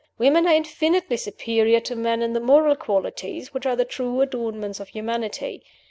Women are infinitely superior to men in the moral qualities which are the true adornments of humanity.